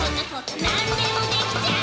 「なんでもできちゃう」